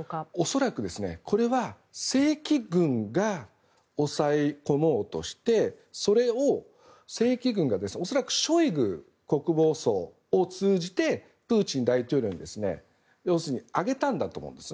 恐らく、これは正規軍が抑え込もうとしてそれを正規軍が恐らくショイグ国防相を通じてプーチン大統領に上げたんだと思うですね